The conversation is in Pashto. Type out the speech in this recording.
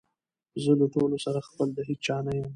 زه له ټولو سره خپل د هیچا نه یم